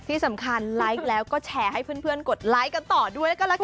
ที่สำคัญไลค์แล้วก็แชร์ให้เพื่อนกดไลค์กันต่อด้วยแล้วก็ละกัน